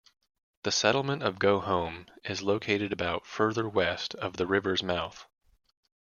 The settlement of Go Home is located about further west of the river's mouth.